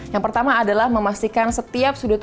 yang pertama adalah memastikan setiap sudut